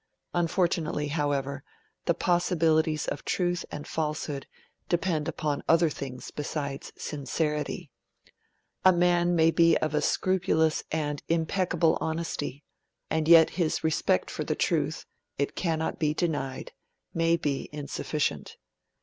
Unfortunately, however, the possibilities of truth and falsehood depend upon other things besides sincerity. A man may be of a scrupulous and impeccable honesty, and yet his respect for the truth it cannot be denied may be insufficient.